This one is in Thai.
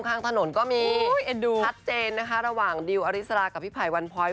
ข้างถนนก็มีชัดเจนนะคะระหว่างดิวอริสรากับพี่ไผ่วันพ้อย